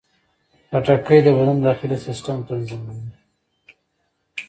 خټکی د بدن داخلي سیستم تنظیموي.